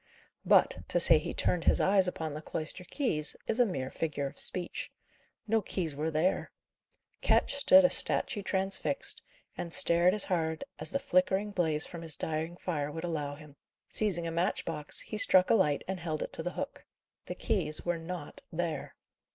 But, to say he turned his eyes upon the cloister keys, is a mere figure of speech. No keys were there. Ketch stood a statue transfixed, and stared as hard as the flickering blaze from his dying fire would allow him. Seizing a match box, he struck a light and held it to the hook. The keys were not there.